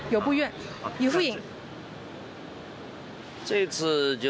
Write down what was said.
由布院。